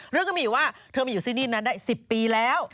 เรื่องก็มีว่าเธอมาอยู่ซิสดีนั้นได้๑๐ปีแล้ว